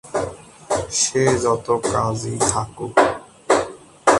সে যত কাজই থাকুক।